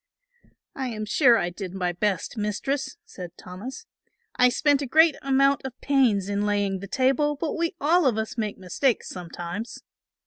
"I am sure I did my best, Mistress," said Thomas; "I spent a great amount of pains in laying the table, but we all of us make mistakes sometimes."